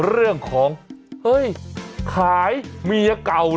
เรื่องของเฮ้ยขายเมียเก่าเหรอ